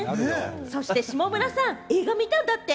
そして下村さん、映画見たんだって？